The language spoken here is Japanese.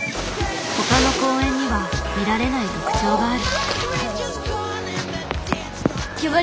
他の公園には見られない特徴がある。